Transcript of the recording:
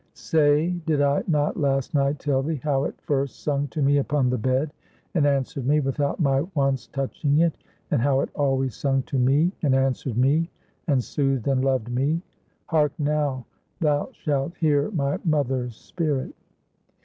Say, did I not last night tell thee, how it first sung to me upon the bed, and answered me, without my once touching it? and how it always sung to me and answered me, and soothed and loved me, Hark now; thou shalt hear my mother's spirit."